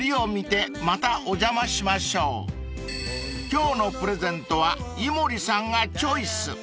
［今日のプレゼントは井森さんがチョイス］